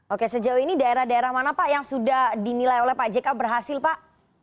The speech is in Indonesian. oke sejauh ini daerah daerah mana pak yang sudah dinilai oleh pak jk berhasil pak